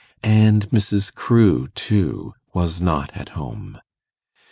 And Mrs. Crewe, too, was not at home!